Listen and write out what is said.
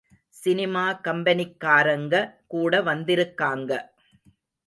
Cinema கம்பெனிக்காரங்க கூட வந்திருக்காங்க.